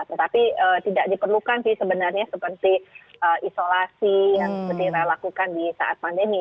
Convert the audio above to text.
tetapi tidak diperlukan sih sebenarnya seperti isolasi yang seperti ra lakukan di saat pandemi